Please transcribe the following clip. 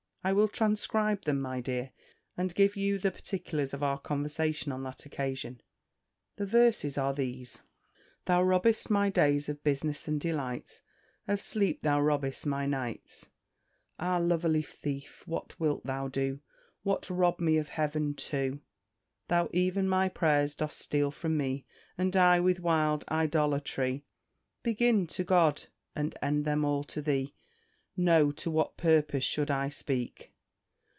I will transcribe them, my dear, and give you the particulars of our conversation on that occasion. The verses are these: "Thou robb'st my days of bus'ness and delights, Of sleep thou robb'st my nights. Ah! lovely thief! what wilt thou do? What! rob me of heaven too? Thou ev'n my prayers dost steal from me, And I, with wild idolatry, Begin to GOD, and end them all to thee. No, to what purpose should I speak?